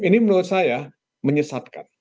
ini menurut saya menyesatkan